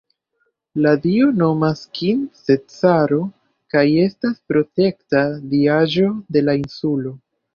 La dio nomas King-Cesaro kaj estas protekta diaĵo de la insulo.